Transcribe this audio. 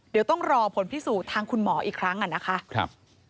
เดี๋ยวต้องรอผลพิสูจน์ทางคุณหมออีกครั้งนะคะ